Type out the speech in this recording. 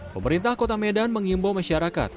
pemerintah kota medan mengimbau masyarakat